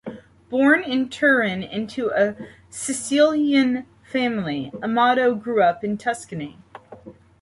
Born in Turin into a Sicilian family, Amato grew up in Tuscany.